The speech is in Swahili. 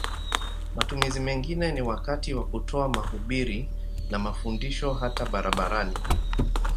Matumizi mengine ni wakati wa kutoa mahubiri na mafundisho hata barabarani.